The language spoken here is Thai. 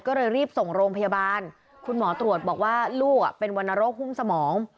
ก็เลยรีบส่งโรงพยาบาลคุณหมอตรวจบอกว่าลูกเป็นวรรณโรคหุ้มสมอง